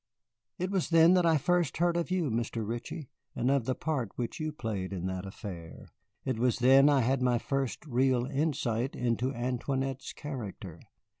"It was then that I first heard of you, Mr. Ritchie, and of the part which you played in that affair. It was then I had my first real insight into Antoinette's character.